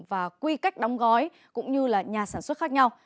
và quy cách đóng gói cũng như là nhà sản xuất khác nhau